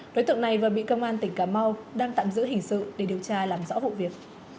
đối tượng này vừa bị công an tỉnh cà mau đang tạm giữ hình sự để điều tra làm rõ vụ việc